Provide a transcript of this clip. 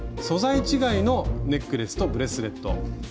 素材違いのネックレスとブレスレット。